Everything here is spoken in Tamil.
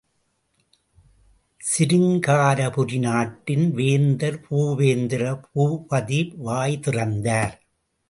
சிருங்காரபுரி நாட்டின் வேந்தர் பூபேந்திரபூபதி வாய் திறந்தார்.